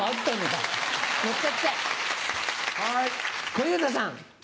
小遊三さん。